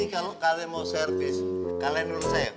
kalau kalian mau servis kalian menurut saya